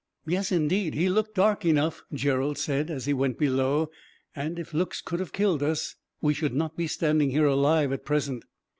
"Yes, indeed, he looked dark enough," Gerald said, "as he went below; and if looks could have killed us, we should not be standing here alive, at present."